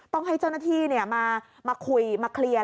ต้องให้เจ้าหน้าที่มาคุยมาเคลียร์